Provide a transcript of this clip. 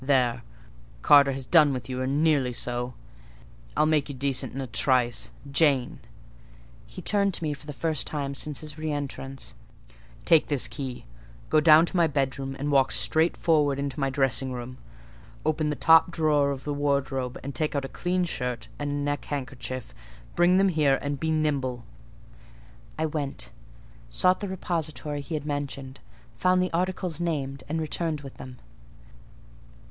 There!—Carter has done with you or nearly so; I'll make you decent in a trice. Jane" (he turned to me for the first time since his re entrance), "take this key: go down into my bedroom, and walk straight forward into my dressing room: open the top drawer of the wardrobe and take out a clean shirt and neck handkerchief: bring them here; and be nimble." I went; sought the repository he had mentioned, found the articles named, and returned with them.